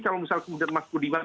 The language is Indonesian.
kalau misal kemudian mas budiman